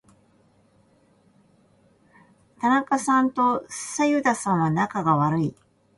田中さんと左右田さんは仲が悪い。